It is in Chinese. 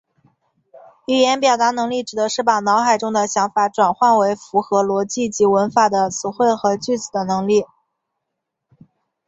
语言表达能力指的是把脑海中的想法转换为符合逻辑及文法的词汇和句子的能力。